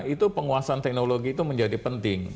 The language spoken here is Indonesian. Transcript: itu penguasaan teknologi itu menjadi penting